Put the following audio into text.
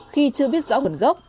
khi chưa biết rõ nguồn gốc